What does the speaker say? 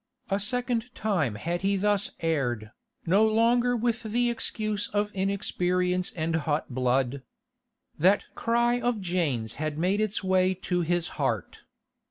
A second time had he thus erred, no longer with the excuse of inexperience and hot blood. That cry of Jane's had made its way to his heart.